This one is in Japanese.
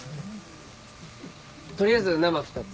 取りあえず生２つ。